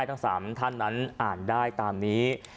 ทั้ง๓ท่านนั้นอ่านได้ตามนี้